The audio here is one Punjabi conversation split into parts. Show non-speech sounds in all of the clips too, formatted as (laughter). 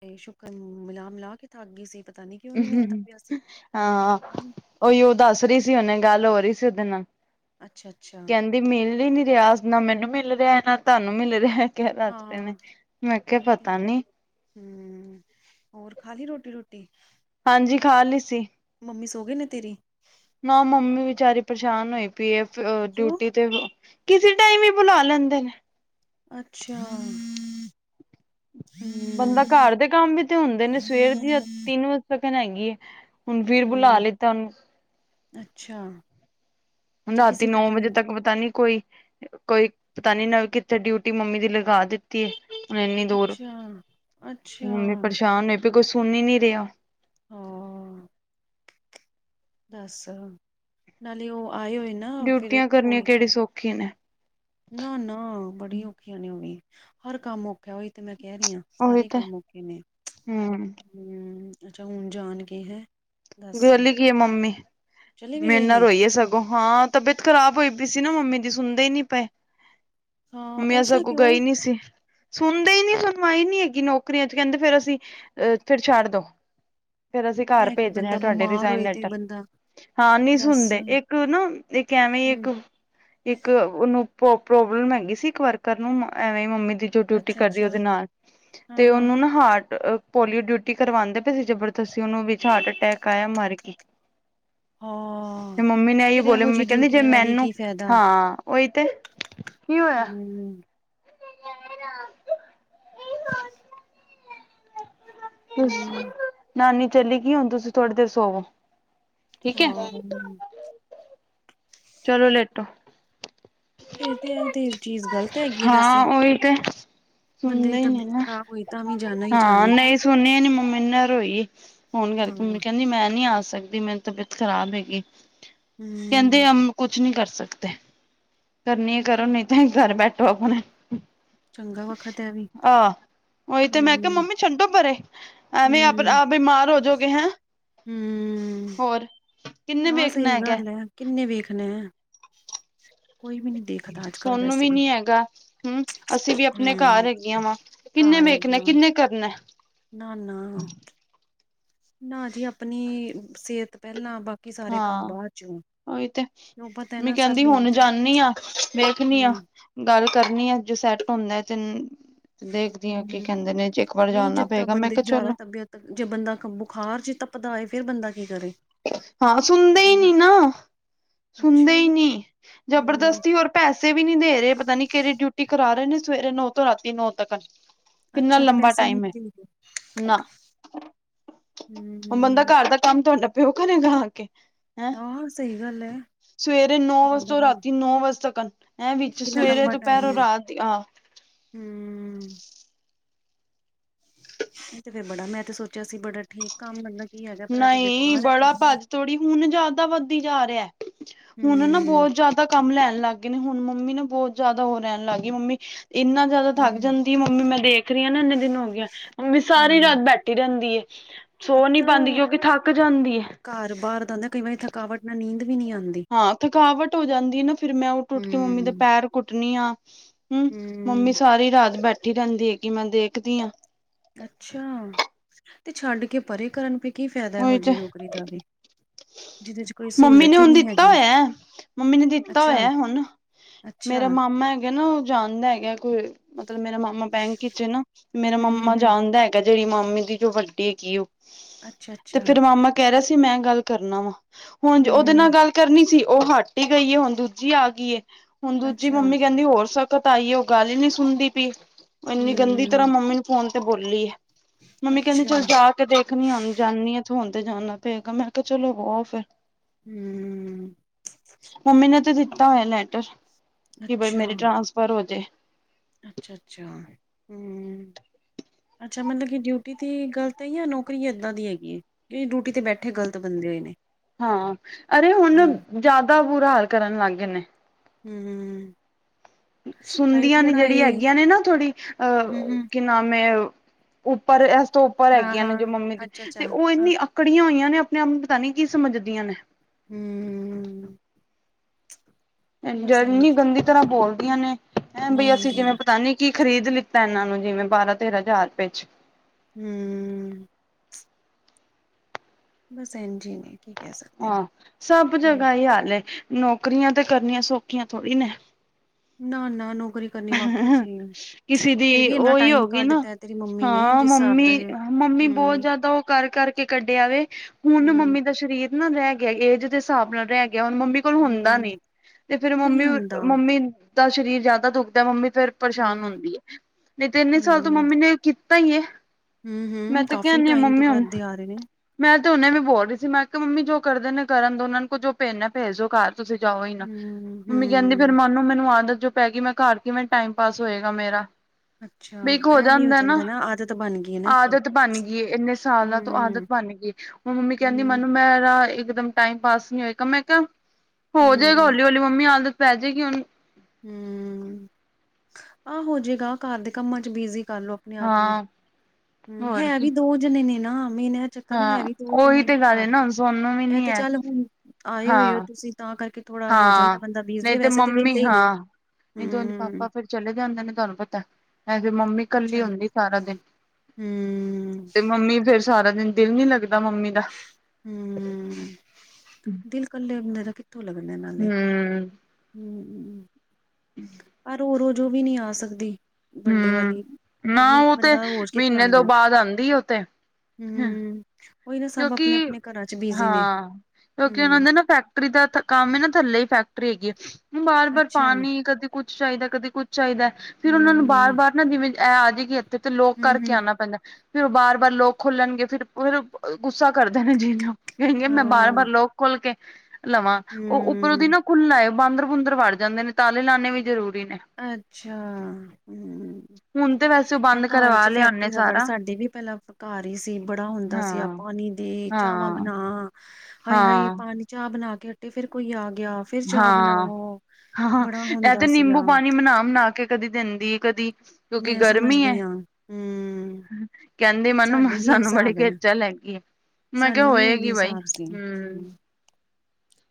ਤੇ ਸ਼ੁਕਨ ਮਿਲਾ-ਮਿਲਾ ਕੇ ਥੱਕ ਗਈ ਸੀ, ਪਤਾ ਨੀ ਕਿਉਂ ਨੀ ਮਿਲਦਾ ਪਿਆ ਸੀ ਅਂਹ, ਹਾਂ, ਫੋਨ ਉਹੀ ਉਹ ਦੱਸ ਰਹੀ ਸੀ, ਹੁਨੇ ਗੱਲ ਹੋ ਰਹੀ ਸੀ, ਉਹਦੇ ਨਾਲ। ਅੱਛਾ-ਅੱਛਾ। ਕਹਿੰਦੀ ਮਿਲ ਹੀ ਨੀ ਰਿਹਾ, ਨਾ ਮੈਨੂੰ ਮਿਲ ਰਿਹਾ ਨਾ ਧੁਹਾਨੂੰ ਮਿਲ ਰਿਹਾ ਕਿਹਾ, ਦੱਸਦੇ ਨੇ, ਹਾਂ ਮੈਂ ਕਿਹਾ, ਉਹੀ ਤੇ ਪਤਾ ਨੀ। ਹੂੰ, ਹੋਰ ਖਾਲੀ ਰੋਟੀ-ਰੁਟੀ? ਹਾਂਜੀ, ਖਾਲੀ ਸੀ। ਮੰਮੀ ਸੋ ਗਏ ਨੇ, ਤੇਰੀ? ਨਾ, ਮੰਮੀ ਵਿਚਾਰੀ ਪਰੇਸ਼ਾਨ ਹੋਈ, ਪੀਏ, ਅ ਕਿਉਂ ਡਿਊਟੀ ਤੇ ਕਿਸੇ ਟਾਈਮ ਹੀ ਬੁਲਾ ਲੈਂਦੇ ਨੇ। ਅੱਛਾ। ਬੰਦਾ ਹੂੰ-ਹੂੰ ਘਰ ਦੇ ਕੰਮ ਵੀ ਤੇ ਹੁੰਦੇ ਨੇ, ਸਵੇਰ ਦੀ ਤਿੰਨ-ਵਜੇ ਤਕਨ ਹੈਗੀ ਏ। ਹੁਣ, ਫਿਰ ਬੁਲਾ ਲਿੱਤਾ ਉਹਨੂੰ। ਅੱਛਾ! ਹੁਣ ਰਾਤੀ ਨੌ-ਵਜੇ ਤੱਕ ਪਤਾ ਨੀ, ਕੋਈ ਕੋਈ ਪਤਾ ਨੀ, ਨਵ ਕਿੱਥੇ ਡਿਊਟੀ ਮੰਮੀ ਦੀ ਲਗਾ ਦਿੱ ਤੀ ਏ, ਹੁਣ ਇੰਨੀ ਦੂਰ ਅੱਛਾ-ਅੱਛਾ ਮੰਮੀ ਪਰੇਸ਼ਾਨ ਨੇ, ਤੇ ਕੋਈ ਸੁਣ ਹੀ ਨੀ ਰਿਹਾ। ਹਾਂ, ਦੱਸ, ਨਾਲੇ ਉਹ ਆਏ ਹੋਏ ਨਾ ਫਿਰ ਓਹੀ। ਸੌਖੇ ਨੇ। ਨਾ-ਨਾ ਬੜੀ ਔਖੀਆਂ ਨੇ ਓਹ ਵੀ, ਹਰ ਕੰਮ ਔ ਖਾ, ਉਹੀ ਤੇ ਮੈਂ ਕਹਿ ਰਹੀ ਹਾਂ, ਉਹੀ ਸਾਰੇ ਤੇ ਕੰਮ ਔਖੇ ਨੇ। ਹੂੰ ਹੂੰ, ਅੱਛਾ ਹੁਣ ਜਾਣਕੇ ਹੈਂ। ਦੱਸ ਗੋਲ ਹੀ ਗਈ ਏ 'ਮੰਮੀ' ਚਲੇ ਵੀ ਮੇਰੇ ਗਏ ਨਾਲ ਨੇ ਰੋਈਏ ਸ ਹਾਂ, ਤਬਿਅਤ ਖ਼ਰਾਬ ਹੋਈ ਪਈ ਸੀ ਨਾ ਮੰਮੀ ਦੀ, ਸੁਣਦੇ ਹੀ ਨੀ ਪਏ। ਹਾਂ ਮੰਮੀਆਂ ਐਸਾ ਸਗੋ, ਕਿਉਂ ਗਈ ਨੀ ਸੀ। ਸੁਣਦੇ ਹੀ ਨੀ, ਸੁਣਵਾਈ ਨੀ ਹੈਗੀ, ਨੌਕਰੀਆਂ'ਚ ਕਹਿੰਦੇ ਫਿਰ ਅਸੀਂ, ਅਹ ਫਿਰ ਛੱਡਦੋ। ਫਿਰ ਅਸੀਂ ਘਰ ਇਹ ਕਿ ਭੇਜਣੇ ਆ, ਬੰਦਾ ਤੁਹਾਡੇ ਬਿਮਾਰ ਰਿਜ਼ਾਇਨ ਹੋਏ ਤੇ ਲੈਟਰ। ਬੰਦਾ ਹਾਂ, ਨਹੀਂ ਦੱਸ ਸੁਣਦੇ, ਇੱਕ ਨਾ ਇੱਕ ਐਵੇਂ ਇੱਕ, ਹੂੰ ਇੱਕ ਉਹਨੂੰ ਪੋ੍, ਪੈ, ਪ੍ਰੋਬਲਮ ਹੈਗੀ ਸੀ, ਇੱਕ ਵਰਕਰ ਨੂੰ ਐਵੇਂ ਮੰਮੀ ਦੀ ਰੋਟੀ-ਰੁਟੀ ਅੱਛਾ ਖਾਲੀ ਅੱਛਾ ਉਹਦੇ ਨਾਲ, ਹਾਂ ਤੇ ਹਾਂ ਉਹਨੂੰ ਨਾ ਹਾਰਟ ਪੋਲੀਓ ਡਿਊਟੀ ਕਰਵਾਂਦੇ ਪਏ ਸੀ ਜ਼ਬਰਦਸਤੀ ਉਹਨੂੰ, ਵਿੱਚ ਹਾਰਟ-ਅਟੈਕ ਆਇਆ ਮਰਗੀ। ਹਾਂ ਤੇ ਮੰਮੀ ਨੇ ਐਈ ਫੇਰ ਬੋਲਿਆ, ਇਹੋ ਮੰਮੀ ਜਿਹੀ ਕਹਿੰਦੀ ਜੇ ਡਿਊਟੀਆਂ ਦਾ ਵੀ ਮੈਨੂੰ ਕੀ ਫਾਇਦਾ ਹਾਂ ਉਹੀ ਤੇ, ਕੀ ਹੋਇਆ? ਹੂੰ (inaudible) ਹੂੰ ਨਾਨੀ ਚੱਲੀ ਗਈ, ਹਣ ਤੁਸੀਂ ਥੋੜੀ ਦੇਰ ਸੋਵੋ। ਠੀਕ ਹੈ। ਹਾਂ। ਚਲੋਂ ਲੇਟੋ। ਫੇਰ ਤੇ ਇਹ ਤੇ ਚੀਜ਼ ਗ਼ਲਤ ਹੈਗੀ ਐ ਵੈਸੇ। ਓਹੀ ਤੇ। ਬੰਦੇ ਦੀ ਸੁਣਦੇ ਹੀ ਨਹੀਂ ਤਬੀਅਤ ਨਾ, ਖ਼ਰਾਬ ਹੋਈ ਤਾਂ ਵੀ ਜਾਣਾ ਹੀ ਹਾਂ ਜਾਣਾ ਹੈ ਨਹੀਂ ਸੋਨੀਆ ਨੀ ਮੰਮੀ ਇਨ੍ਹਾਂ ਰੋਈ ਐ। ਫੋਨ ਹਾਂ ਕਰਕੇ, ਮੰਮੀ ਹੂੰ ਕਹਿੰਦੀ ਮੈਂ ਨਹੀ ਆ ਸਕਦੀ, ਮੇਰੀ ਤਬੀਅਤ ਖ਼ਰਾਬ ਹੈਗੀ। ਹੂੰ ਕਹਿੰਦੇ ਹਮ ਕੁਛ ਨੀ ਕਰ ਸਕਦੇ। ਕਰਨੀ ਆ ਕਰੋ, ਨੀ ਤੇ ਘਰ ਬੈਠੋ ਆਪਣੇ। ਚੰਗਾ ਵਖਤ ਹੈ ਵੀ ਆਹ, ਉਹੀ ਤੇ ਮੈਂ ਕਿਹਾ ਹੂੰ ਮੰਮੀ ਛੱਡੋ ਪਰੇ। ਐਵੇਂ ਆ‌ ਹੂੰ ਆਪ ਬਿਮਾਰ ਹੋਜੋਗੇ ਹੈ। ਹੂੰ, ਕਿੰਨੇ ਹਾ ਵੇਖਣਾ ਸਹੀ ਹੈਗਾ ਗੱਲ ਹੈ ਕਿੰਨੇ ਵੇਖਣੇ। ਅੱਜ ਕੱਲ ਸੁਨੂੰ ਵੀ ਵੈਸੇ ਨੀ ਹੈਗਾ, ਹੂੰ ਅਸੀਂ ਵੀ ਆਪਣੇ ਘਰ ਹੂੰ ਹੈਗੀਆਂ ਵਾ। ਕਿੰਨੇ ਵੇਖਣਾ ਕਿੰਨੇਂ ਕਰਨਾ ਨਾ ਨਾ ਨਾ ਜੀ ਆਪਣੀ ਸਿਹਤ ਪਹਿਲਾਂ, ਬਾਕੀ ਸਾਰੇ ਕੰਮ ਬਾਅਦ ਚੋਂ। ਓਹੀ ਤੇ ਕਿਉਂ ਪਤਾ ਹੈ ਮੰਮੀ ਨਾ ਸਭ ਕਹਿੰਦੀ, ਹੁਣ ਬੀਤਦਾ ਜਾਂਦੀ ਆ ਵੇਖਣੀ ਆ। ਗੱਲ ਕਰਨੀ ਐ, ਜੋ ਸੈੱਟ ਹੁੰਦਾ ਹੈ ਤੇ ਦੇਖਦੀ ਆ ਕੀ ਹੂੰ-ਹੂੰ ਕਹਿੰਦੇ ਨੇ, ਇੱਕ ਵਾਰ ਨਹੀਂ ਜਾਣਨਾ ਜਿੱਦਾਂ ਪਏਗਾ ਮੈਂ ਬੰਦੇ ਦੀ ਕਿਹਾ ਜ਼ਿਆਦਾ ਚਲੋਂ। ਤਬੀਅਤ ਜੇ ਬੰਦਾ ਕ ਬੁਖਾਰ ਚੇ ਤਪਦਾ ਹੋਏ, ਫਿਰ ਬੰਦਾ ਕੀ ਕਰੇ। ਹਾਂ ਸੁਣਦੇ ਹੀ ਬੰਦਾ ਨੀ ਨਾ। ਸੁਣਦੇ ਅੱਛਾ ਹੀ ਜੀ ਨੀ, ਹੂੰ ਜ਼ਬਰਦਸਤੀ ਹੋਰ ਪੈਸੇ ਵੀ ਨਹੀਂ ਦੇ ਰਹੇ ਪਤਾ ਨੀ ਕਿਹੜੇ ਡਿਊਟੀ ਕਰਾ ਰਹੇ ਨੇ ਸਵੇਰੇ ਨੌ ਤੋਂ ਰਾਤੀ ਨੌ ਤੱਕ। ਕਿੰਨਾ ਅੱਛਾ ਤੇ ਲੰਬਾ ਪੈਸੇ ਵੀ ਟਾਈਮ ਐ, ਨੀ ਦੇਂਦੇ ਨਾ ਹੁਣ ਬੰਦਾ ਹੂੰ ਘਰ ਦਾ ਕੰਮ ਤੁਹਾਡਾ ਪਿਉ ਕਰੇਗਾ ਆ ਕੇ। ਹੈਂ, ਆਹ ਸਹੀ ਗੱਲ ਹੈ ਸਵੇਰੇ ਨੌ ਵਜੇ ਤੋਂ ਰਾਤੀ ਨੌ ਵਜੇ ਤੱਕਨ ਹੈਂ, ਵਿੱਚ ਕਿੰਨਾ ਸਵੇਰੇ ਲੰਬਾ ਟਾਈਮ ਦੁਪਹਿਰੋਂ ਹੈ ਰਾਤ ਹੀ ਆ। ਹੂੰ ਇਹ ਤੇ ਫੇਰ ਬੜਾ, ਮੈਂ ਤੇ ਸੋਚਿਆ ਸੀ ਬੜਾ ਠੀਕ ਕੰਮ ਮੈਨੂੰ ਕੀ ਹੈਗਾ, ਪਰ ਇਹ ਤੇ ਬੇਕਾਰ ਐ ਫੇਰ। ਥੋੜੀ ਹੁਣ ਜ਼ਿਆਦਾ ਵੱਧਦੀ ਜਾ ਰਿਹਾ, ਹੁਣ ਨਾ ਬਹੁਤ ਹੂੰ-ਹੂੰ ਜ਼ਿਆਦਾ ਤਾਂ ਕੰਮ ਲੈਣ ਲੱਗ ਗਏ ਨੇ, ਹੁਣ ਮੰਮੀ ਨਾ ਬਹੁਤ ਜ਼ਿਆਦਾ ਉਹ ਰਹਿਣ ਲੱਗ ਗਈ, ਮੰਮੀ ਇਨਾ ਜ਼ਿਆਦਾ ਥੱਕ ਜਾਂਦੀ ਆ, ਮੰਮੀ ਮੈਂ ਦੇਖ ਰਹੀ ਆ ਨਾ ਇੰਨੇ ਦਿਨ ਹੋ ਗਿਆ, ਮੰਮੀ ਸਾਰੀ ਹੂੰ, ਰਾਤ ਬੈਠ ਰਹਿੰਦੀ ਐ, ਸੋ ਨੀ ਪਤਾ ਪਾਉਂਦੀ ਕਿਉਂਕਿ ਥੱਕ ਜਾਂਦੀ ਐ। ਘਰ ਬਾਹਰ ਦਾ ਆਦਾ ਕਈ ਵਾਰੀ ਥਕਾਵਟ ਨਾਲ ਨੀਂਦ ਵੀ ਨਹੀਂ ਆਂਦੀ। ਹਾਂ, ਥਕਾਵਟ ਹੋ ਜਾਂਦੀ ਨਾ, ਫਿਰ ਮੈਂ ਉਠ ਉਠ ਕੇ ਮੰਮੀ ਦੇ ਹੂੰ, ਪੈਰ ਕੁੱਟਣੀ ਆ। ਹੂੰ, ਮੰਮੀ ਸਾਰੀ ਰਾਤ ਬੈਠੀ ਰਹਿੰਦੀ ਹੈਗੀ ਕਿ ਮੈਂ ਦੇਖਦੀ ਆ। ਅੱਛਾ, ਤੇ ਛੱਡ ਕੇ ਪਰੇ ਕਰਨ ਫੇ ਕੀ ਫਾਇਦਾ ਇਹੋ ਉਹੀ ਤੇ ਜੀ ਨੌਕਰੀ ਦਾ ਵੀ। ਜਿਹਦੇ ਚ ਕੋਈ ਮੰਮੀ ਨੇ ਸਹੂਲਤ ਹੀ ਹੁਣ ਨਹੀਂ ਦਿੱਤਾ ਹੈਗੀ, ਹੋਇਆ। ਮੰਮੀ ਨੇ ਅੱਛਾ। ਅੱਛਾ ਮੰਮਾ ਹੈਗਾ ਨਾ, ਉਹ ਜਾਣਦਾ ਹੈਗਾ ਕੋਈ ਮਤਲਬ ਮੇਰਾ ਮਾਮਾ ਬੈਂਕ ਵਿਚ ਨਾ, ਮੇਰਾ ਹੂੰ, ਹੂੰ, ਮਾਮਾ ਹੂੰ। ਜਾਣਦਾ ਹੈਗਾ, ਜਿਹੜੀ ਮਾਮੀ ਦੀ ਜੋ ਵੱਡੀ ਹੈਗੀ ਉਹ ਅੱਛਾ, ਤੇ ਅੱਛਾ, ਫੇਰ ਮਾਮਾ ਕਹਿ ਰਿਹਾ ਸੀ, ਮੈਂ ਗੱਲ ਕਰਨਾ ਵਾ, ਹੁਣ ਉਹਦੇ ਨਾਲ ਹੂੰ, ਗੱਲ ਕਰਨੀ ਸੀ ਉਹ ਹੱਟ ਹੀ ਗਈ ਏ, ਹੁਣ ਦੂਜੀ ਆ ਗਈ ਹੁਣ ਦੂਜੀ ਅੱਛਾ, ਮੰਮੀ ਕਹਿੰਦੀ ਹੋਰ ਸਖ਼ਤ ਅਈ ਏ ਉਹ ਗੱਲ ਹੀ ਨਹੀਂ ਸੁਣਦੀ ਪਈ। ਇੰਨੀ ਗੰਦੀ ਤਰ੍ਹਾਂ ਹੂੰ, ਮੰਮੀ ਨੂੰ ਫੋਨ ਤੇ ਬੋਲੀ ਹੈ, ਮੰਮੀ ਕਹਿੰਦੀ ਅੱਛਾ। ਚੱਲ ਜਾ ਕੇ ਦੇਖਣੀ ਆ ਹੁਨ ਜਾਂਣੀ ਆ ਤੇ ਹੁਣ ਜਾਣਾ ਪਏਗਾ, ਮੈਂ ਕਿਹਾ ਚਲੋ ਆਓ ਫਿਰ ਹੂੰ, ਮੰਮੀ ਨੇ ਤਾਂ ਦਿੱਤਾ ਹੋਇਆ, ਲੈਟਰ ਕਿ ਬਈ ਅੱਛਾ, ਮੇਰੀ ਟਰਾਂਸਫਰ ਹੋ ਜਾਵੇ। ਅੱਛਾ, ਅੱਛਾ ਹੂੰ, ਅੱਛਾ ਮਤਲਬ ਕਿ ਡਿਊਟੀ ਦੀ ਗਲਤ ਹੈ, ਜਾਂ ਨੌਕਰੀ ਇੱਦਾਂ ਦੀ ਹੈਗੀ ਹੈ। ਕਿ ਰੂਟੀ ਤੇ ਬੈਠੇ ਗਲਤ ਬੰਦੇ ਹੋਏ ਨੇ, ਹਾਂ ਅਰੇ ਹੁਣ ਹਾਂ, ਜ਼ਿਆਦਾ ਬੁਰਾ ਹਾਲ ਕਰਨ ਲੱਗ ਜਾਂਏ ਨੇ। ਹੂੰ, ਸੁਣਦੀਆਂ ਨੇ ਜਿਹੜੀ ਹੈਗੀਆਂ, ਨੇ ਨਾ ਥੋੜ੍ਹੀ ਅਹ ਕੀ ਨਾਮ ਹੈ। ਉੱਪਰ ਇਸ ਤੋਂ ਉੱਪਰ ਹੈਗੀਆਂ, ਨੇ ਜੋ ਮੰਮੀ ਦੇ ਤੇ ਉਹ ਇੰਨੀ ਕੜੀਆਂ ਹੋਈਆਂ, ਨੇ ਆਪਣੇ ਆਪ ਨੂੰ ਪਤਾ ਨੀ ਕੀ ਸਮਝਦੀਆਂ ਨੇ। ਹੂੰ, ਇੰਨੀ ਗੰਦੀ ਤਰ੍ਹਾਂ ਬੋਲਦੀਆਂ ਨੇ ਹੈਂ, ਬਈ ਅਸੀਂ ਬੋਲਦੇ ਆ ਜਿਵੇਂ ਪਤਾ ਨੀ ਕੀ ਖਰੀਦ ਲਿੱਤਾ ਇਹਨਾਂ ਨੂੰ ਜਿਵੇਂ, ਬਾਰਾਂ ਤੇਰਾਂ ਹਜ਼ਾਰ ਰੁਪਏ ਚ ਹੂੰ, ਬਸ ਐਨ ਜੀ ਨੇ ਕੀ, ਕਹਿ ਸਕਦੇ ਹਾਂ ਸਭ ਹਮ ਜਗ੍ਹਾ ਹੀ ਹਾਲ, ਨੌਕਰੀਆਂ ਤੇ ਕਰਨੀਆਂ ਸੌਖੀਆਂ ਥੋੜ੍ਹੀ ਨੇ। ਨਾ-ਨਾ ਨੌਕਰੀ, ਕਰਨੀ ਵਾਕਿਆ ਚ ਕਿਸੇ ਫੇਰ ਦੀ ਵੀ ਇੰਨਾ ਉਹੀ ਟਾਈਮ ਹੋਗੀ ਨਾ ਕੱਢਤਾ ਤੇਰੀ ਮੰਮੀ ਨੇ ਹਾਂ ਜਿਸ ਹਿਸਾਬ ਦਾ, ਮੰਮੀ ਮੰਮੀ ਬਹੁਤ ਹਮ ਜਿਆਦਾ ਉਹ ਕਰ ਕਰਕੇ ਕੱਢਿਆ, ਆਵੇ ਹੁਣ ਹਮ ਮੰਮੀ ਦਾ ਸਰੀਰ ਨਾ ਰਹਿ ਗਿਆ, ਏਜ ਦੇ ਹਿਸਾਬ ਨਾਲ ਰਹਿ ਗਿਆ ਹੁਣ ਮੰਮੀ ਹੁੰਦਾ ਨੀ ਹਮ ਤੇ ਫੇਰ ਨਹੀਂ ਹੁੰਦਾ ਮੰਮੀ-ਮੰਮੀ ਦਾ ਸਰੀਰ ਜਿਆਦਾ ਦੁਖਦਾ ਮੰਮੀ ਫੇਰ ਪਰੇਸ਼ਾਨ ਹਮ ਹੁੰਦੀ ਹੈ, ਨਹੀਂ ਤੇ ਇੰਨੇ ਸਾਲ ਤੋਂ ਮੰਮੀ ਨੇ ਕੀਤਾ ਹੀ। ਮੈਂ ਹੂੰ-ਹੂੰ, ਤਾਂ ਕਾਫੀ ਕਹਿਣੀ ਆ ਟਾਈਮ ਤੋਂ ਮੰਮੀ ਹੁਣ ਕਰਦੇ ਆ ਰਹੇ ਨੇ। ਮੈਂ ਤੇ ਉਹਨੇ ਵੀ ਬੋਲ ਰਹੀ ਸੀ, ਮੈਂ ਕਿਹਾ ਮੰਮੀ ਜੋ ਕਰਦੇ ਨੇ ਕਰਨ ਦੋ ਉਹਨਾਂ ਕੋਲ ਜੋ ਪੇਜਨਾ ਭੇਜੋ ਦੋ ਘਰ, ਤੁਸੀਂ ਜਾਓ ਹੀ ਨਾ, ਹਮ ਮੰਮੀ ਕਹਿੰਦੀ ਫਿਰ ਹਮ ਮਨੂੰ ਮੈਨੂੰ ਆਦਤ ਜੋ ਪੈਗੀ, ਮੈਂ ਕਰਰ ਕੇ ਮੈਂ ਟਾਈਮ ਪਾਸ ਹੋਏਗਾ ਮੇਰਾ। ਅੱਛਾ ਬ ਇੱਕ ਹੋ ਇਹ ਜਾਂ ਵੀ ਹੁੰਦਾ, ਨਾ ਜਾਂਦਾ ਆਦਤ ਬਣ ਗਈ ਹੈ ਨਾ ਇੱਕ ਆਦਤ ਬਣ ਗਈਏ ਇੰਨੇ ਸਾਲਾਂ ਤੋਂ ਆਦਤ। ਹਮ ਬਣ ਗਈ, ਹੁਣ ਮੰਮੀ ਕਹਿੰਦੀ ਹਮ ਮੈਨੂੰ ਮੇਰਾ ਇਕਦਮ ਟਾਈਮ ਪਾਸ ਨਹੀਂ ਹੋਏਗਾ ਮੈਂ ਕਿਹਾ। ਹੋ ਜਾਏਗਾ ਹੂੰ, ਹੌਲੀ-ਹੌਲੀ ਮੰਮੀ ਆਦਤ ਪੈ ਜਾਏਗੀ, ਹੁਣ--' ਹੂੰ ਆਹ ਹੋਜਏਗਾ, ਘਰ ਦੇ ਕੰਮਾਂ ਚ ਬਿਜੀ ਕਰ ਲਓ। ਆਪਣੇ ਆਪ ਨੂੰ ਹਾਂ ਹੂੰ ਹੋਰ ਹੈ ਕੀ ਵੀ ਦੋ ਜਣੇ ਨੇ ਨਾ ਮੇਨ, ਚੱਕਰ ਨਾ ਹਾਂ ਹੈ, ਵੀ ਦੋ ਉਹੀ ਜਨੇ ਨੇ ਤੇ ਗੱਲ ਏ ਘਰ ਨਾ ਹੁਣ ਸੋਨੂੰ ਵੀ ਇਹ ਨੀ ਤੇ ਹੈ। ਚੱਲ ਹੁਣ ਆਏ ਹੋਏ ਹੋ ਹਾਂ ਤੁਸੀਂ ਤਾਂ ਕਰਕੇ ਥੋੜਾ ਹੋ ਹਾਂ ਜਾਂਦਾ ਬੀਜੀ ਨਹੀਂ ਤੇ ਵੈਸੇ ਤਾਂ ਮੰਮੀ ਵਿਹਲੇ ਹੀ ਨੇ, ਹਾਂ ਨਹੀਂ ਤਦੇ ਪਾਪਾ ਹੂੰ। ਫੇਰ ਚਲੇ ਜਾਂਦੇ ਨੇ ਤੁਹਾਨੂੰ ਪਤਾ ਹੈ। ਮੰਮੀ ਕੱਲੀ ਅੱਛਾ ਹੁੰਦੀ ਐ, ਸਾਰਾ ਦਿਨ ਹੂੰ, ਤੇ ਮੰਮੀ ਫੇਰ ਸਾਰਾ ਦਿਨ ਦਿਲ ਨੀ ਲੱਗਦਾ, ਮੰਮੀ ਦਾ ਹੂੰ, ਦਿਲ ਕੱਲੇੰ ਬੰਦੇ ਦਾ ਕਿੱਥੋਂ ਲੱਗਦਾ ਨਾਲੇ, ਹੂੰ ਹੂੰ, ਪਰ ਉਹੋ ਰੋਜ ਵੀ ਨਹੀ ਆ ਸਕਦੀ। ਵੱਡੇ ਹੂੰ, ਵਾਲੀ ਉਹ ਵੀ ਨਾ ਇੱਕ ਤੇ ਬੰਦਾ ਰੋਜ਼ ਕਿਥੇ ਮਹੀਨੇ ਤੋਂ ਆਦਾ। ਬਾਅਦ ਆਂਦੀ ਉਹ ਤੇ ਹੂੰ, ਉਹੀ ਨਾ ਸਭ ਕਿਉਂਕਿ ਆਪਣੇ ਆਪਣੇ ਘਰਾਂ ਚ ਬਿਜੀ ਨੇ, ਹਾਂ, ਕਿਉਂਕਿ ਉਹਨਾਂ ਹੂੰ, ਦੇ ਨਾ ਫੈਕਟਰੀ ਦਾ ਕੰਮ ਹੀ ਨਾ ਥੱਲੇ ਹੀ ਫੈਕਟਰੀ ਹੈਗੀ ਆ। ਬਾਰ ਬਾਰ ਅੱਛਾ, ਪਾਣੀ ਕਦੀ, ਕੁੱਛ ਚਾਹੀਦਾ ਕਦੇ ਕੁੱਛ ਚਾਹੀਦਾ, ਫਿਰ ਉਹਨਾਂ ਨੂੰ ਬਾਰ ਹੂੰ, ਬਾਰ ਨਾ ਜਿਵੇਂ ਇਹ ਆ ਜਾਏਗੀ। ਤੇ ਲੋਕ ਕਰਕੇ ਹੂੰ-ਹੂੰ, ਆਣਾ ਪੈਂਦਾ, ਫਿਰ ਉਹ ਬਾਰ ਬਾਰ ਲੋਕ ਖੋਲਣਗੇ ਫਿਰ ਫਿਰ ਗੁੱਸਾ ਕਰਦੇ ਨੇ ਜੀਨ ਕਏ ਮੈਂ ਬਾਰ ਹਾਂ, ਬਾਰ ਲੋਕ ਖੋਲ ਕੇ, ਲਵਾਂ ਉਹ ਉੱਪਰ ਉਹਦੀ ਹੂੰ। ਨਾ ਖੁੱਲ੍ਹਾ, ਬਾਂਦਰ ਬੂੰਦਰ ਵੜ ਜਾਂਦੇ ਨੇ ਤਾਲੇ ਲਾਉੇ ਵੀ ਜ਼ਰੂਰੀ ਨੇ ਅੱਛਾ ਹੂੰ, ਹੁਣ ਤੇ ਵੈਸੇ ਉਹ ਇਹ ਬੰਦ ਘਰ ਚ ਕਰਵਾ ਫੈਕਟਰੀ ਲਿਆਨੇ ਦਾ ਬੜ ਸਾਰਾ ਸਾਡੇ ਵੀ ਪਹਿਲਾਂ ਘਰ ਹੀ ਸੀ, ਬੜਾ ਹੁੰਦਾ ਸੀ, ਹਾਂ ਆਪਾਂ ਪਾਣੀ ਦੇ ਚਾਵਾਂ ਹਾਂ ਬਣਾ ਹਾਏ-ਹਾਏ ਹਾਂ ਪਾਣੀ ਚਾਹ ਬਣਾ ਕੇ ਹਟੇ, ਫੇਰ ਕੋਈ ਆ ਗਿਆ। ਫਿਰ ਚਾਹ ਹਾਂ- ਬਣਾਓ ਹਾਂ ਬੜਾ ਇਹ ਤੇ ਹੁੰਦਾ ਸੀਗਾ ਨਿੰਬੂ ਪਾਣੀ ਬਨਾ ਬਨਾ ਕੇ ਕਦੀ ਦਿੰਦੀ ਕਦੀ ਮੈਂ ਸਮਝਦੀ ਹਾਂ ਹਮ ਕਹਿੰਦੀ ਮੈਨੂੰ ਸਾਨੂੰ ਬੜੀ ਹਿਸਾਬ ਹੈ ਖੇਚਲ ਹੈਗੀ ਏ। ਮੈਂ ਕਿਹਾ ਸਾਨੂੰ ਵੀ ਇਹਦਾ ਹੋਏਗੀ ਬਾਈ ਹਿਸਾਬ ਸੀ ਹੂੰ,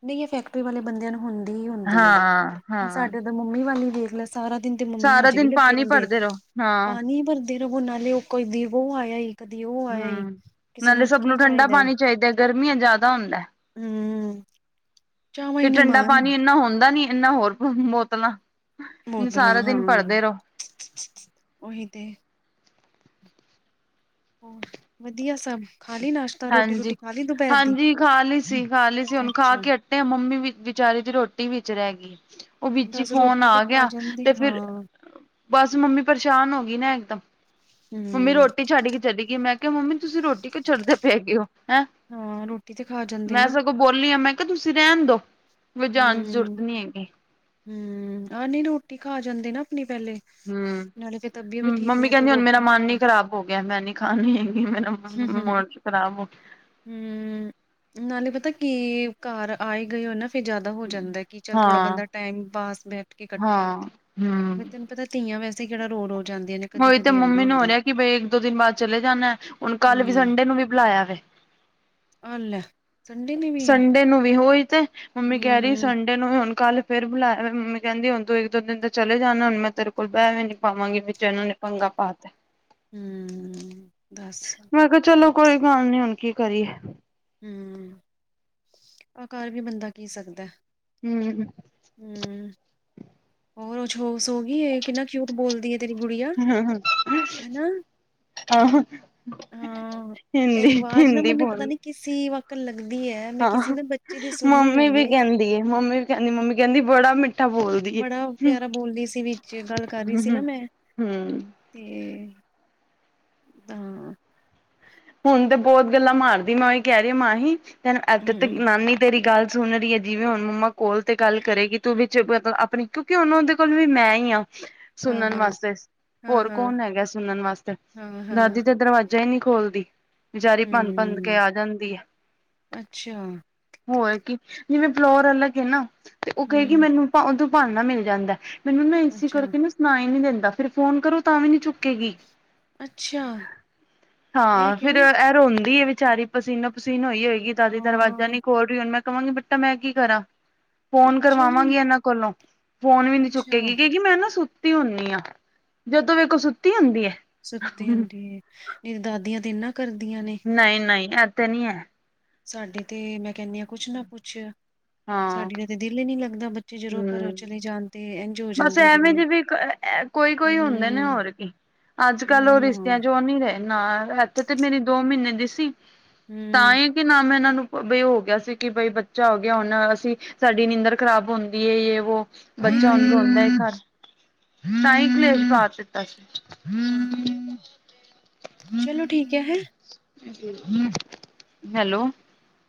ਨਹੀਂ ਇਹ ਫੈਕਟਰੀ ਵਾਲੇ ਬੰਦਿਆਂ ਨੂੰ ਹੁੰਦੀ ਹੀ ਹੁੰਦੀ ਏ। ਹਾਂ ਹੁਣ ਹਾਂ ਸਾਡੇ ਉਦਰ ਮੰਮੀ ਵਾਲੀ ਵੇਖ ਲੈ ਸਾਰਾ ਦਿਨ ਤੇ ਮੰਮੀ ਸਾਰਾ ਹਜੇ ਵੀ ਦਿਨ ਲੱਗੇ ਪਾਣੀ ਰਹਿੰਦੇ ਐ ਭਰਦੇ ਰਹੋ ਹੈਗੇ ਹਾਂ ਪਾਣੀ ਭਰ ਦੇਨ ਹੋਨਾਂ ਉਹ ਕਦੇ ਵੋ ਆਇਆ ਈ ਕਦੇ ਉਹ ਆਇਆ ਈ ਹਮ ਕਿਸੇ ਨਾਲੇ ਨੂੰ ਸਭ ਕੀ ਠੰਡਾ ਚਾਹੀਦਾ। ਪਾਣੀ ਚਾਹੀਦਾ ਗਰਮੀਆਂ ਚ ਜ਼ਿਆਦਾ ਹੁੰਦਾ। ਹਮ ਤੇ ਠੰਡਾ -ਪਾਣੀ ਇੰਨਾ ਹੁੰਦਾ ਨੀ ਇਨਾ ਹੋਰ ਬੋਤਲਾਂ ਬੋਤਲਾਂ ਸਾਰਾ ਹਾਂ ਦਿਨ ਭਰਦੇ ਰਹੋ ਉਹੀ ਤੇ। ਵਧੀਆ ਸਭ ਖਾਲੀ ਨਾਸ਼ਤਾ? ਰੋਟੀ ਹਾਂਜੀ ਰੂਟੀ ਖਾ ਲਈ ਦੁਪਹਿਰ ਦੀ -ਹਾਂਜੀ ਖਾ ਲਈ ਸੀ, ਖਾ ਲਈ ਸੀ ਹੁਣ ਅੱਛਾ ਖਾਕੇ ਤੇ ਮੰਮੀ ਵੀ ਵਿਚਾਰੀ ਦੀ ਰੋਟੀ ਵਿੱਚ ਰਹਿ ਗਈ। ਉਹ ਵਿੱਚ ਹੀ ਦੱਸ ਫੋਨ ਰੋਟੀ ਤੇ ਆ ਖਾ ਗਿਆ ਜਾਂਦੇ ਤੇ ਫਿਰ ਹਾਂ ਬਸ ਮੰਮੀ ਪਰੇਸ਼ਾਨ ਹੋ ਗਈ ਨਾ ਇਕਦਮ ਮੰਮੀ ਹੂੰ ਰੋਟੀ ਛੱਡ ਕੇ ਚਲੇ‌ ਗਈ ਮੈਂ ਕਿਹਾ ਮੰਮੀ ਤੁਸੀਂ ਰੋਟੀ ਕੁ ਛੱਡਦੇ ਪੈ ਗਏ ਹੋ ਹੈਂ? ਹਾਂ ਰੋਟੀ ਤੇ ਖਾ ਜਾਂਦੇ ਮੈਂ ਨਾ। ਸਗੋਂ ਬੋਲੀ ਆ ਮੈਂ ਕਿਹਾ ਤੁਸੀਂ ਰਹਿਣ ਦੋ ਵੀ ਜਾਣ ਦੀ ਜ਼ਰੂਰਤ ਨੀ ਹੈਗੀ। ਹਮ ਆਹ ਨਹੀਂ ਰੋਟੀ ਖਾ ਜਾਂਦੇ ਨਾ ਆਪਣੀ ਪਹਿਲੇ ਨਾਲੇ ਫਿਰ ਤਬੀਅਤ ਹਮ ਵੀ ਠੀਕ ਮੰਮੀ ਨੀ ਤੇ ਕਹਿੰਦੀ ਹੁਣ ਮੇਰਾ ਰੋਟੀ ਮਨ ਨੀ ਖਰਾਬ ਹੋ ਗਿਆ। ਮੈਂ ਨੀ ਖਾਣੀ ਹੈਗੀ ਮੇਰਾ ਮਨ ਹਮ ਮਣ ਚ ਖਰਾਬ ਹਮ ਨਾਲੇ ਪਤਾ ਕੀ ਏ, ਘਰ ਆਏ ਗਏ ਹੋ ਨਾ ਫੇਰ ਜ਼ਿਆਦਾ ਹੋ ਜਾਂਦਾ ਹੈ ਕਿ ਚੱਲ ਥੋੜਾ ਹਾਂ ਬੰਦਾ ਟਾਈਮ ਪਾਸ ਬੈਠ ਕੇ ਹਾਂ ਕੱਟੇ ਹਮ ਤੈਨੂੰ ਪਤਾ ਧੀਆਂ ਵੈਸੇ ਹੀ ਕਿਹੜਾ ਰੋਜ -ਰੋਜ ਹੋਹੀ ਤੇ ਮੰਮੀ ਨੂੰ ਹੋ ਰਿਹਾ ਕਿ ਬਈ ਇੱਕ ਦੋ ਦਿਨ ਬਾਅਦ ਚਲੇ ਜਾਣਾ ਹੁਣ ਕੱਲ ਵੀ ਹੂੰ ਸੰਡੇ ਨੂੰ ਵੀ ਬੁਲਾਇਆ ਵੇ। ਆ ਲੈ। ਸੰਡੇ ਨੇ ਵੀ ਹੈ ਸੰਡੇ ਨੂੰ ਵੀ ੳਹੀ ਤੇ ਮੰਮੀ ਕਹਿ ਰਹੀ ਹੂੰ, ਸੰਡੇ ਨੂੰ ਹੁਣ ਕੱਲ ਫਿਰ ਬੁਲਾਇਆ ਮੰਮੀ ਕਹਿੰਦੀ ਹੁਣ ਤੂੰ ਇਕ ਦੋ ਦਿਨ ਤਕ ਚਲੇ ਜਾਣਾ ਹੁਣ ਮੈਂ ਤੇਰੇ ਕੋਲ ਬਹਿ ਵੀ ਨੀ ਪਾਵਾਂਗੀ। ਜੇ ਇਹਨਾਂ ਨੇ ਪੰਗਾ ਪਾਤਾ ਹਮ ਮੈਂ ਕਿਹਾ ਚਲੋ ਕੋਈ ਗੱਲ ਨੀ ਹੁਣ ਕੀ ਕਰੀਏ? ਹਮ ਕਰ ਵੀ ਬੰਦਾ ਕੀ ਸਕਦਾ? ਹਮ ਹਮ ਹੋਰ ਉਹ ਸੋ ਗਈ ਏ ਕਿੰਨਾ ਕਿਊਟ ਬੋਲਦੀ ਹੈ ਤੇਰੀ ਗੁੜੀਆ ਹਨਾ। ਆਹੋ ਹਾਂ। ਇਹਦੀ ਹਿੰਦੀ ਆਵਾਜ਼ ਨਾ ਹਿੰਦੀ ਮੈਨੂੰ ਪਤਾ ਬੋਲ ਨੀ ਕਿਸੇ ਵਕਤ ਵਕਤ ਲੱਗਦੀ ਹੈ ਮੈਂ ਕਿਸੇ ਨਾ ਬੱਚੇ ਦੀ ਸੁਣਨੀ ਹੋਈ ਏ। ਹੁੰਦੀ ਹੈ ਮੰਮੀ। ਕਹਿੰਦੀ ਮੰਮੀ ਕਹਿੰਦੀ ਬੜਾ ਮਿੱਠਾ। ਬੋਲਦੀ ਏ ਬੜਾ ਪਿਆਰਾ ਬੋਲ ਰਹੀ ਸੀ ਵਿੱਚ ਗੱਲ ਕਰ ਰਹੀ ਹਮ ਸੀ ਨਾ ਮੈਂ। ਹਮ ਤੇ ਤਾਂ, ਹੁਣ ਤੇ ਬਹੁਤ ਗੱਲਾਂ ਮਾਰਦੀ, ਮੈਂ ਉਹੀ ਕਹਿ ਰਹੀ ਮਾਹੀ ਤੇ ਇਦ ਤ ਹੂੰ ਨਾਨੀ ਤੇਰੀ ਗੱਲ ਸੁਣ ਰਹੀ ਏ, ਜਿਵੇਂ ਹੁਣ ਮੰਮਾ ਕੋਲ ਤੇ ਗੱਲ ਕਰੇਗੀ ਤੂੰ ਵੀ ਵਿਚ ਕਿਉਂਕਿ ਉਹਨਾਂ ਦੇ ਕੋਲ ਵੀ ਮੈਂ ਹੀ ਹਾਂ। (inaudible) ਹਾਂ ਸੁਣਨ ਹਾਂ ਵਾਸਤੇ ਹਾਂ ਹੋਰ ਹਾਂ ਕੌਣ ਹੈਗਾ ਸੁਣਨ ਵਾਸਤੇ? ਹਾਂ ਹਾਂ ਦਾਦੀ ਤੇ ਦਰਵਾਜ਼ਾ ਹੀ ਨਹੀਂ ਖੋਲਦੀ। ਬਚਾਰੀ ਭੰਨ- ਭੰਨ ਕੇ ਹੂੰ ਆ ਜਾਂਦੀ ਏ। ਅੱਛਾ ਹੋਰ ਕੀ ਜਿਵੇਂ ਫਲੋਰ ਅਲੱਗ ਨਾ ਤੇ ਉਹ ਕਹੇ ਕਿ ਹੂੰ ਮੈਨੂੰ ਉਦੋਂ ਭਾਨਾ ਮਿਲ ਜਾਂਦਾ। ਮੈਨੂੰ ਨਾ ਇਸੇ ਅੱਛਾ ਕਰਕੇ ਨਾ ਸੁਣਾਈ ਨੀ ਦਿੰਦਾ ਫਿਰ ਫੋਨ ਕਰੋ ਨਾ ਕਰੋ ਤਾਂ ਵੀ ਕਹੇਗੀ। ਅੱਛਾ ਇਹ ਹਾਂ। ਫਿਰ ਕਿਉਂ ਇਹ ਰੋਂਦੀ ਹੈ ਵਿਚਾਰੀ ਪਸੀਨੋ- ਪਸੀਨੋ ਹੀ ਹੋਏਗੀ ਦਾਦੀ ਹਾਂ ਦਰਵਾਜ਼ਾ ਨੀ ਖੋਲ ਦੀ। ਫਿਰ ਮੈਂ ਕਹਾਂਗੀ ਬੇਟਾ ਮੈਂ ਕੀ ਕਰਾਂ। ਫੋਨ ਅੱਛਾ ਜੀ ਕਰਵਾਵਾਂਗੀ ਇਹਨਾਂ ਕੋਲੋਂ, ਫੋਨ ਵੀ ਨੀ ਅੱਛਾ ਚੁੱਕੇਗੀ। ਕਹੇਗੀ ਕੀ ਮੈਂ ਨਾ ਸਕੂਲ ਸੁੱਤੀ ਹੁੰਨੀ ਆ। ਜਦੋਂ ਵੇਖੋ ਸੁੱਤੀ ਹੁੰਦੀ ਆ। ਸੁੱਤੀ ਹੁੰਦੀ ਦਾਦੀਆਂ ਤੇ ਨਾ ਨਹੀਂ ਨਹੀਂ ਇਥੇ ਨਹੀਂ ਹੈ। ਸਾਡੇ ਤੇ ਮੈਂ ਕਹਿੰਦੀ ਹਾਂ ਕੁਛ ਨਾ ਕੁੱਛ। ਹਾਂ ਸਾਡੀ ਦਾ ਤੇ ਦਿਲ ਹੀ ਨੀ ਲੱਗਦਾ। ਤੇ ਜਦੋਂ ਘਰੋਂ ਹਮ ਚਲੇ ਜਾਂਦੀ ਏ। ਹੋ ਬਸ ਐਵੇਂ ਜੇ ਵੀ ਆ, ਆ ਕੋਈ- ਕੋਈ ਹੁੰਦੇ ਨੇ ਹੂੰ ਹੋਰ ਕੀ। ਅੱਜ ਕੱਲ ਨਾ ਉਹ ਨਾ ਰਿਸ਼ਤਿਆਂ ਉਹ ਨੀ ਰਹੇ ਨਾ। ਇੱਥੇ ਤੇ ਮੇਰੀ ਦੋ ਮਹੀਨੇ ਦੀ ਸੀ। ਹੂੰ ਤਾਂ ਕਿ ਨ ਮੈਂ ਇਹਨਾਂ ਨੂੰ ਬਈ ਹੋ ਗਿਆ ਸੀ ਕਿ ਬਈ ਬੱਚਾ ਹੋ ਗਿਆ। ਹੁਣ ਅਸੀਂ ਸਾਡੀ ਨੀਂਦਰ ਖ਼ਰਾਬ ਹੁੰਦੀ ਹੈ। ਜੇ ਵੋ ਆਏ! ਬੱਚਾ ਹਾਏ! ਹੁਣ ਰੋਂਦਾ ਹੈ ਘਰ ਤਾਂ ਹੀ ਕਲੇਸ਼ ਪਾ ਦਿੱਤਾ ਸੀ। ਹਾਂ ਚਲੋ ਠੀਕ ਐ। ਹੈਲੋ,